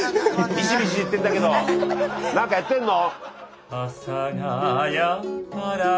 ミシミシいってんだけど何かやってんの？